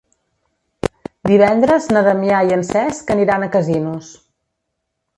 Divendres na Damià i en Cesc aniran a Casinos.